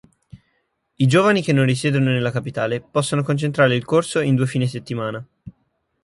I giovani che non risiedono nella capitale possono concentrare il corso in due fine-settimana.